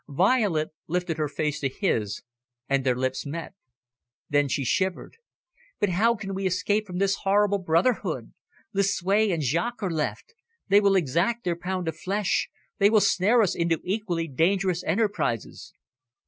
Violet lifted her face to his, and their lips met. Then she shivered. "But how can we escape from this horrible brotherhood? Lucue and Jaques are left. They will exact their pound of flesh. They will snare us into equally dangerous enterprises."